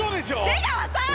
出川さん！